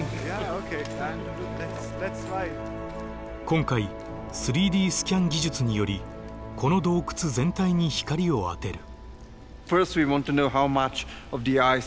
今回３Ｄスキャン技術によりこの洞窟全体に光を当てる。